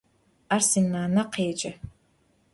Ar sinane khêce.